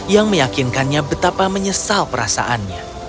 yang meyakinkannya betapa menyesal perasaannya